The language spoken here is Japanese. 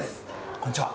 こんにちは！